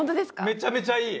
めちゃめちゃいい！